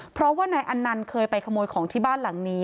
เพราะว่านายอันนันต์เคยไปขโมยของที่บ้านหลังนี้